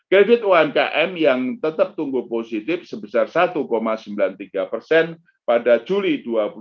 kredit uang km yang tetap tunggu positif sebesar satu sembilan tiga persen pada juli dua ribu dua puluh satu